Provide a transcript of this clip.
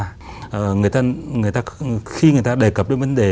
khi người ta đề cập đến vấn đề này người ta sẽ có thể tìm ra những cái vấn đề